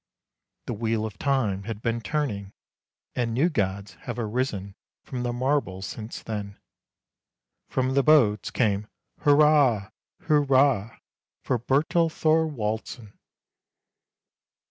The wheel of time had been turning, and new gods have arisen from the marble since then. From the boats came ' Hurrah, hurrah for Bertel Thorwaldsen!